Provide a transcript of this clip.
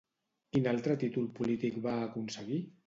Quin altre títol polític va aconseguir?